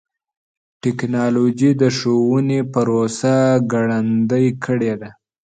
ټکنالوجي د ښوونې پروسه ګړندۍ کړې ده.